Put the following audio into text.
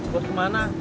burr ke mana